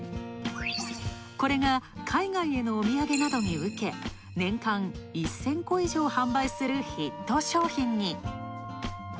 これが海外へのお土産などにウケ年間１０００個以上販売するヒット商品に。